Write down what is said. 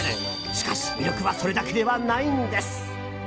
しかし、魅力はそれだけではないんです。